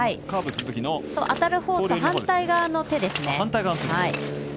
当たるほうと反対側の手ですね。